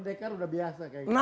pendekar udah biasa kayaknya